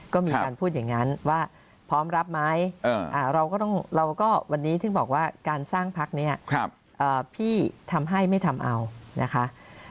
ก็มีการพูดอย่างนั้นว่าพร้อมรับไหมเราก็ต้องเราก็วันนี้ถึงบอกว่าการสร้างพักเนี่ยพี่ทำให้ไม่ทำเอานะคะ